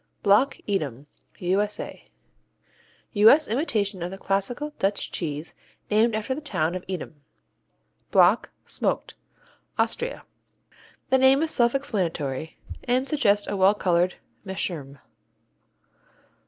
Block Edam U.S.A. U.S. imitation of the classical Dutch cheese named after the town of Edam. Block, Smoked Austria The name is self explanatory and suggests a well colored meerschaum.